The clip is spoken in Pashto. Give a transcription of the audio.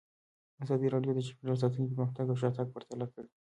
ازادي راډیو د چاپیریال ساتنه پرمختګ او شاتګ پرتله کړی.